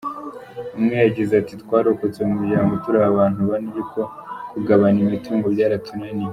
Umwe yagize ati “Twarokotse mu muryango turi abantu bane ariko kugabana imitungo byaratunaniye.